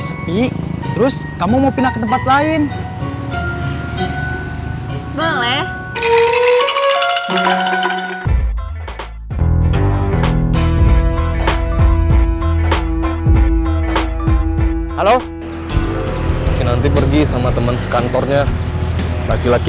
sepi terus kamu mau pindah ke tempat lain boleh halo mungkin nanti pergi sama teman sekantornya laki laki